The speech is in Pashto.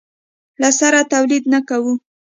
له سره تولید نه کوو.